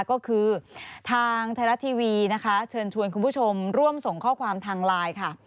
ก็คือทางไทยรัฐทีวีนะคะเชิญชวนคุณผู้ชมร่วมส่งข้อความทางไลน์ค่ะ